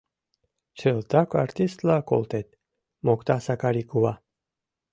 Чылтак артистла колтет! — мокта Сакари кува.